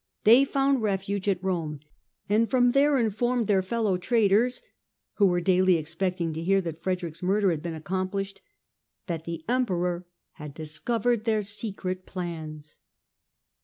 They found refuge at Rome and from there informed their fellow traitors, who were daily expecting to hear that Frederick's murder had been accomplished, that the Emperor had discovered their secret plans.